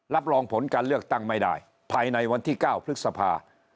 รับรองผลการเลือกตั้งไม่ได้ภายในวันที่๙พฤษภา